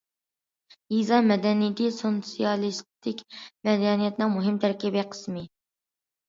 يېزا مەدەنىيىتى سوتسىيالىستىك مەدەنىيەتنىڭ مۇھىم تەركىبىي قىسمى.